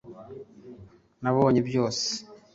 nabonye byose